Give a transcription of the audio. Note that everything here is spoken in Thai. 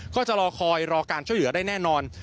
ก็จะรอคอยรอการช่วยเหลือได้แน่นอน